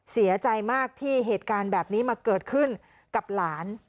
เสียใจมากที่เหตุการณ์แบบนี้มาเกิดขึ้นกับหลาน